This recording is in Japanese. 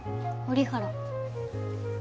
折原。